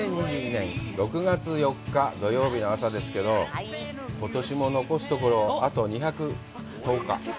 ２０２２年６月４日、土曜日の朝ですけど、ことしも残すところ、あと２１０日。